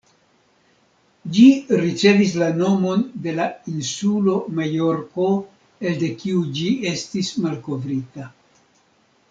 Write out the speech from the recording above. Ĝi ricevis la nomon de la insulo Majorko elde kiu ĝi estis malkovrita.